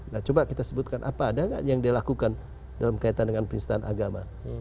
nah coba kita sebutkan apa ada nggak yang dia lakukan dalam kaitan dengan penistaan agama